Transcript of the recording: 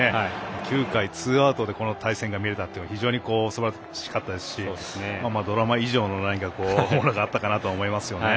９回、ツーアウトでこの対戦が見れたのは非常にすばらしかったですしドラマ以上のものがあったかなと思いますよね。